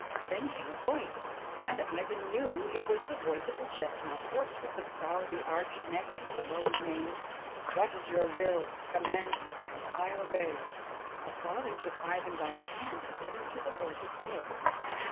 Then came a voice, and Ivan knew it was the voice of the chestnut horse with the proudly arched neck and flowing mane :' What is your will ? Command me and I obey !' The father took Ivan by the hand and led him to the horse's head.